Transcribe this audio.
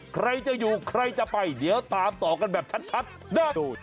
ใครจะอยู่ใครจะไปเดี๋ยวตามต่อกันแบบชัดได้